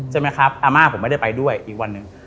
ใช่ไหมครับอาม่าผมไม่ได้ไปด้วยอีกวันหนึ่ง